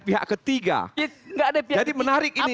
pihak ketiga jadi menarik ini